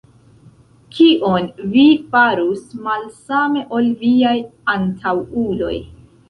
Kion vi farus malsame ol viaj antaŭuloj?